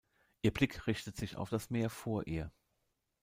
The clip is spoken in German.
Ihr Blick richtet sich auf das Meer vor ihr.